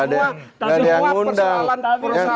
tidak ada yang undang